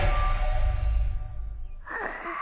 はあ。